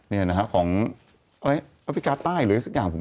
นี่อะนะครับของเอออเมริกาใต้หรือสิ่งหน่อย